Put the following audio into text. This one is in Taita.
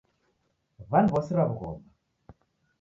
W'aniw'asira w'ughoma